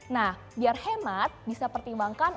nah biar hemat bisa pertimbangkan